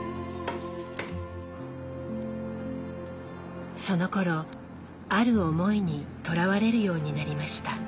そのころある思いにとらわれるようになりました。